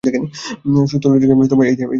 স্থুল দৃষ্টিতে সেই দেহ দেখা যায় না।